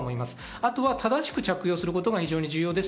あとは正しく着用することが非常に重要です。